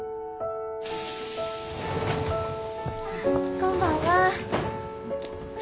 こんばんは。